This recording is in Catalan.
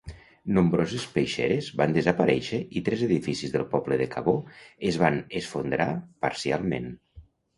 Nombroses peixeres van desaparèixer i tres edificis del poble de Cabó es van esfondrar parcialment.